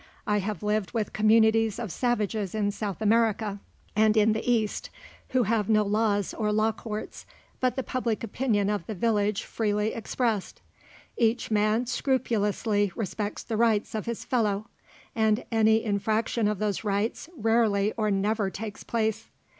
I have lived with communities of savages in South America and in the East, who have no laws or law courts but the public opinion of the village freely expressed. Each man scrupulously respects the rights of his fellow, and any infraction of those rights rarely or never takes place.